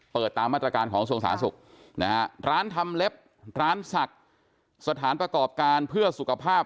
ตามมาตรการของส่วนสาธารณสุขนะฮะร้านทำเล็บร้านศักดิ์สถานประกอบการเพื่อสุขภาพ